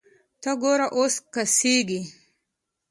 ته ګوره اوس کسږي